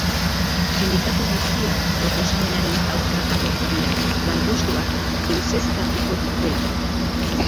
Sindikatu guztiak proposamenaren aurka agertu dira, lanpostuak deuseztatuko dituelako.